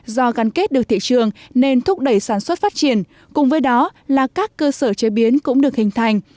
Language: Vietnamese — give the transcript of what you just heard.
do gắn kết được thị trường nên thúc đẩy sản xuất phát triển cùng với đó là các cơ sở chế biến cũng được hình thành